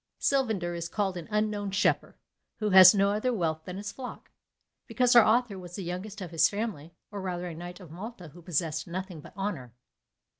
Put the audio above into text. Sylvander is called an unknown shepherd, who has no other wealth than his flock; because our author was the youngest of his family, or rather a knight of Malta who possessed nothing but honour.